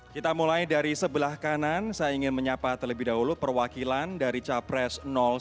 kita mulai dari sebelah kanan saya ingin menyapa terlebih dahulu perwakilan dari capres satu